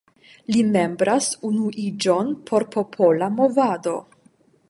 Li membras Unuiĝon por Popola Movado.